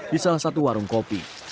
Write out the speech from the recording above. di salah satu warung kopi